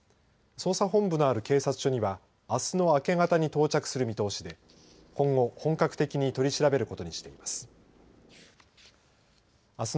捜査本部のある警察署にはあすの明け方に到着する見通しで今後、本格的に取り調べることにしています。